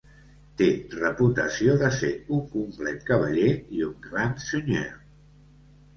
Té reputació de ser un complet cavaller i un "grand seigneur".